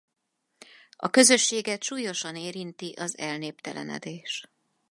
A közösséget súlyosan érinti az elnéptelenedés.